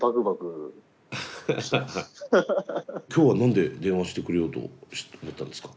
今日は何で電話してくれようと思ったんですか？